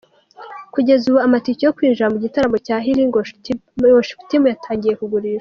Kugeza ubu amatike yo kwinjira mu gitaramo cya Healing worship team yatangiye kugurishwa.